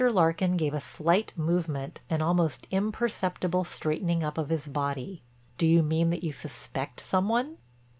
Larkin gave a slight movement an almost imperceptible straightening up of his body: "Do you mean that you suspect some one?"